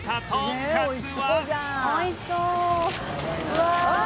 うわ！